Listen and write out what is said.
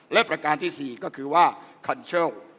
และประการที่๔ก็คือว่าคันเชิล